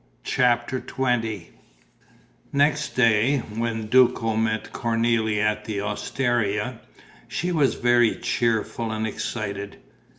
CHAPTER XX Next day, when Duco met Cornélie at the osteria, she was very cheerful and excited.